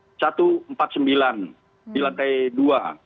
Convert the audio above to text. kemudian kami unit reskrim menindaklanjuti ke laboratorium